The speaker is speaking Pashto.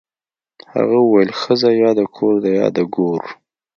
هغه ویل ښځه یا د کور ده یا د ګور